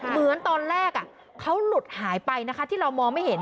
เหมือนตอนแรกเขาหลุดหายไปนะคะที่เรามองไม่เห็น